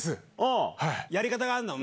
やり方があるの？